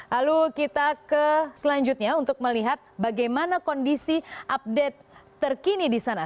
lalu kita ke selanjutnya untuk melihat bagaimana kondisi update terkini di sana